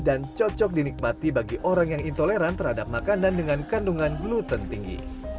cocok dinikmati bagi orang yang intoleran terhadap makanan dengan kandungan gluten tinggi